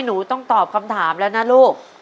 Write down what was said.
หนูต้องตอบคำถามแล้วนะลูก